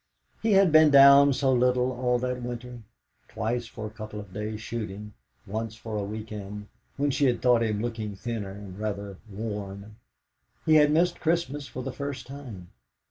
He had been down so little all that winter, twice for a couple of days' shooting, once for a week end, when she had thought him looking thinner and rather worn. He had missed Christmas for the first time.